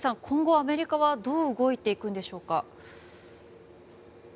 今後アメリカはどう動いていくんでしょうか。